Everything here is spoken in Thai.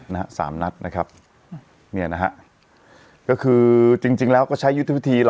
นะฮะนี่นะฮะก็คือจริงแล้วก็ใช้ยุทธวิธี